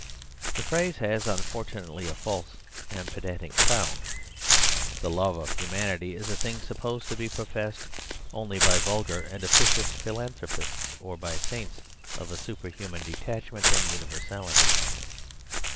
The phrase has unfortunately a false and pedantic sound. The love of humanity is a thing supposed to be professed only by vulgar and officious philanthropists, or by saints of a superhuman detachment and universality.